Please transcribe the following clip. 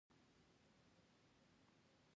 استعماري دولت د اقتصادي ګټې شونتیا له منځه یووړه.